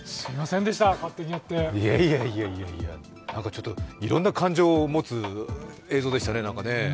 ちょっといろんな感情を持つ映像でしたね。